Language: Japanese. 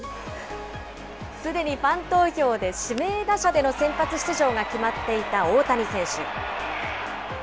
すでにファン投票で指名打者での先発出場が決まっていた大谷選手。